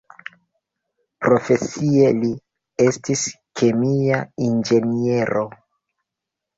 Profesie, li estis kemia inĝeniero.